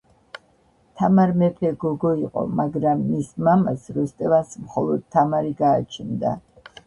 თამარ მეფე გოგო იყო მაგრამ მის მამას როსტევანს მხოლოდ თამარი გააჩნდა.